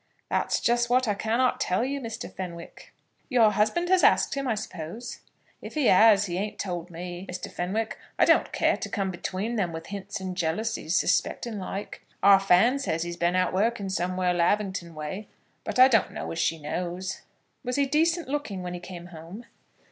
"That's just what I cannot tell you, Mr. Fenwick." "Your husband has asked him, I suppose?" "If he has, he ain't told me, Mr. Fenwick. I don't care to come between them with hints and jealousies, suspecting like. Our Fan says he's been out working somewhere Lavington way; but I don't know as she knows." "Was he decent looking when he came home?"